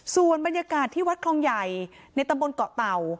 ส่วนบรรยากาศที่วัดคลองใหญ่ในตำบลเกาะเต่า